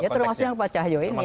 ya termasuk yang pak cahyo ini